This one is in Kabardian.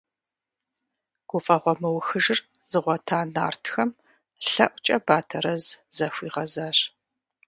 Гуфӏэгъуэ мыухыжыр зыгъуэта нартхэм лъэӏукӏэ Батэрэз захуигъэзащ.